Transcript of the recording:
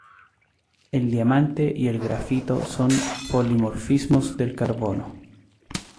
El diamante y el grafito son polimorfismos del carbono.